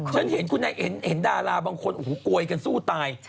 ค่ะคุณแม็กส์ค่ะใช่ใช่เอาออกสก๊อเทปอะผมเห็นดาราบางคนโกยกันสู้ตาย